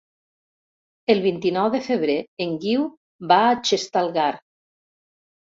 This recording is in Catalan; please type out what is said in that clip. El vint-i-nou de febrer en Guiu va a Xestalgar.